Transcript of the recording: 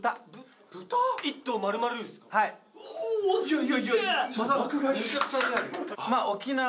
いやいやいや。